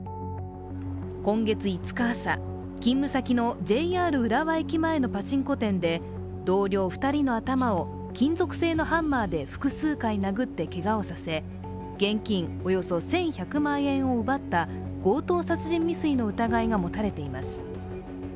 今月５日朝、勤務先のＪＲ浦和駅前のパチンコ店で同僚２人の頭を金属製のハンマーで複数回殴ってけがをさせ、現金およそ１１００万円を奪った強盗殺人未遂の疑いが持たれています。